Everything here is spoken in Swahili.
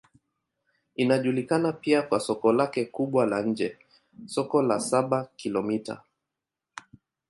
Inajulikana pia kwa soko lake kubwa la nje, Soko la Saba-Kilomita.